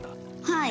はい！